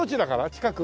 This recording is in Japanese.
近く？